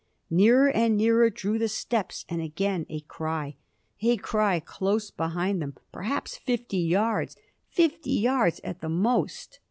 Nearer and nearer drew the steps, and again a cry a cry close behind them, perhaps fifty yards fifty yards at the most.